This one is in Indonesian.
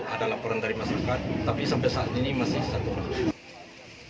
ada laporan dari masyarakat tapi sampai saat ini masih satu kasus